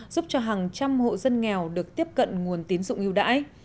giúp cho hàng trăm hộ dân nghèo được tiếp cận nguồn tiến dụng yêu đãi